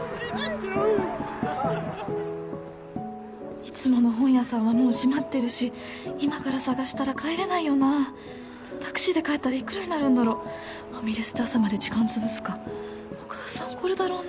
いつもの本屋さんはもう閉まってるし今から探したら帰れないよなタクシーで帰ったらいくらになるんだろうファミレスで朝まで時間潰すかお母さん怒るだろうな